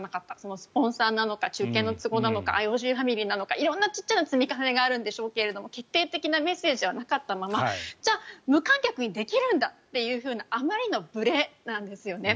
スポンサーなのか中継の都合なのかＩＯＣファミリーなのか色んな小さな積み重ねがあって決定的なメッセージはなかったままじゃあ無観客にできるんだというあまりのぶれなんですよね。